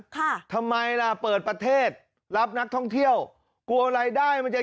ทำไมล่ะเปิดประเทศรับนักท่องเที่ยวกลัวรายได้มันจะ